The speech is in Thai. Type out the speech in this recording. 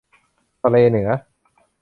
ทะเลเหนือ